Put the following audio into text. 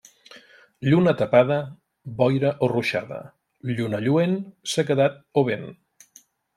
Lluna tapada, boira o ruixada; lluna lluent, sequedat o vent.